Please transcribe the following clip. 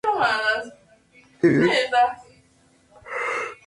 Rezaban en casa, no en edificios religiosos.Se conocieron dos ramas principales.